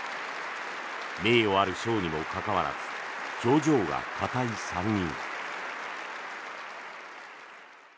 名誉ある賞にもかかわらず表情が硬い３人。